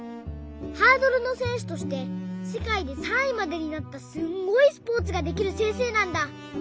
ハードルのせんしゅとしてせかいで３いまでになったすんごいスポーツができるせんせいなんだ。